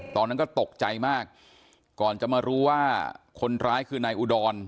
ตอนนั้นก็ตกใจมากก่อนจะมารู้ว่าคนร้ายคือนายอุดร